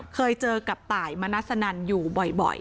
เคยเจอกับตายมณัสนันอยู่บ่อย